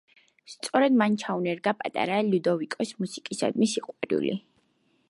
სწორედ მან ჩაუნერგა პატარა ლუდოვიკოს მუსიკისადმი სიყვარული.